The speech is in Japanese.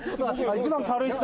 ・一番軽い人？